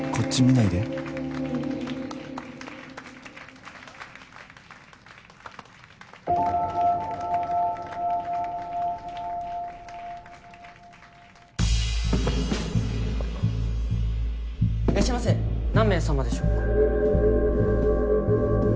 いらっしゃいませ何名様でしょうか。